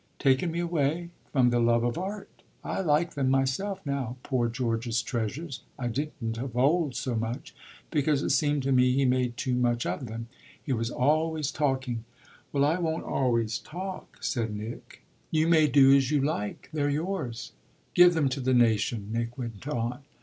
"Taken me away ?" "From the love of art. I like them myself now, poor George's treasures. I didn't of old so much, because it seemed to me he made too much of them he was always talking." "Well, I won't always talk," said Nick. "You may do as you like they're yours." "Give them to the nation," Nick went on.